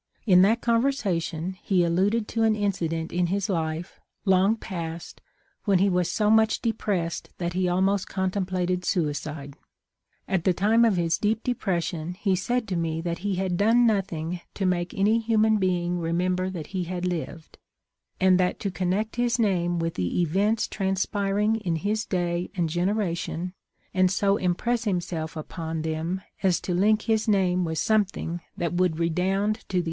In that conversation he alluded to an incident in' his life, long passed, when he was so much depressed that he almost contemplated suicide. At the time of his deep depression he said to me that he had ' done nothing to make any human being remember that he had lived,' and that to connect his name with the events transpiring in his day and genera tion, and so impress himself upon them as to link his name with something that would redound to the The uf£ op lijvcoljv.